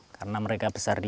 karena mereka besar di desa